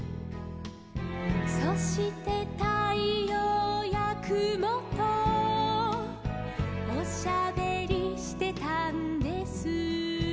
「そしてたいようやくもとおしゃべりしてたんです」